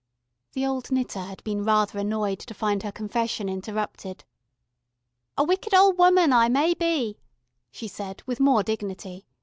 The old knitter had been rather annoyed to find her confession interrupted. "A wicked ol' woman I may be," she said with more dignity.